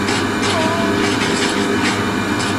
ډاکټر وینډي هولډن وایي سپورت باور زیاتوي.